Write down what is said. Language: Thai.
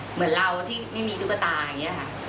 เหมือนเราที่ไม่มีตุ๊กตาอย่างนี้ค่ะ